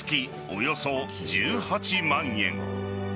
およそ１８万円。